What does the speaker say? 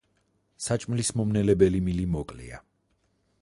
საჭმლის მომნელებელი მილი მოკლეა.